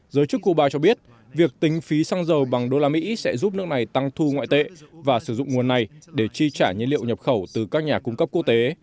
giới chức cuba cho biết việc tính phí xăng dầu bằng đô la mỹ sẽ giúp nước này tăng thu ngoại tệ và sử dụng nguồn này để chi trả nhân liệu nhập khẩu từ các nhà cung cấp quốc tế